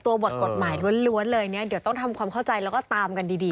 บทกฎหมายล้วนเลยเนี่ยเดี๋ยวต้องทำความเข้าใจแล้วก็ตามกันดี